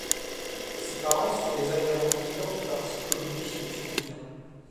Ses parents sont des adhérents militants du parti communiste tunisien.